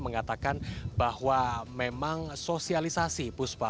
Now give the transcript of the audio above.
mengatakan bahwa memang sosialisasi puspa